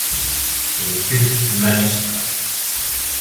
Il fut magistrat.